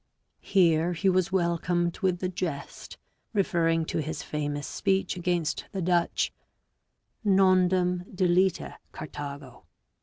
Here he was welcomed with the jest, referring to his famous speech against the Dutch, " nondum deleta Carthago."